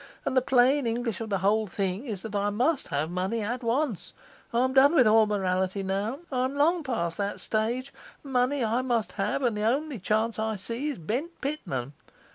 And the plain English of the whole thing is that I must have money at once. I'm done with all morality now; I'm long past that stage; money I must have, and the only chance I see is Bent Pitman.